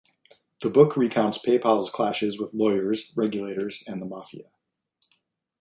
The book recounts PayPal's clashes with lawyers, regulators, and the Mafia.